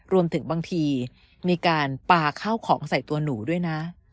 รวมถึงบางทีมีการปลาข้าวของใส่ตัวหนูด้วยนะ